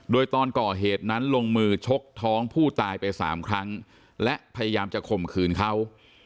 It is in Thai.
โดยตอนก่อเหตุนั้นลงมือชกท้องผู้ตายไปสามครั้งและพยายามจะข่มขืนเขา